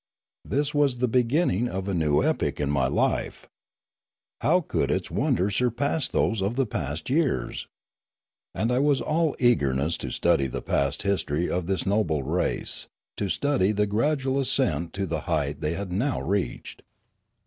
This was the beginning of a new epoch in my new life. How could its wonders surpass those of the past years! And I was all eagerness to study the past history of this noble race, to study the gradual ascent to the height they had now reached.